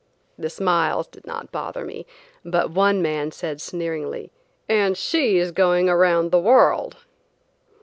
The smiles did not bother me, but one man said sneeringly: "And she's going around the world!"